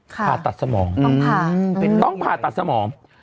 ผ่าตัดสมองต้องผ่าตัดสมอง